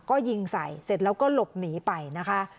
ก็ยิงใส่เสร็จแล้วก็หลบหนีไปนะคะ